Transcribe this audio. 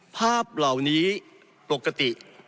ภาพเหล่านี้ปกติ